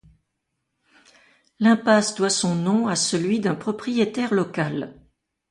L'impasse doit son nom à celui d'un propriétaire local.